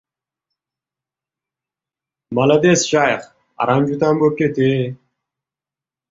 — Malades, Shayx! Orangutan bo‘p ket-e!